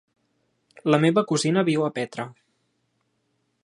La meva cosina viu a Petra.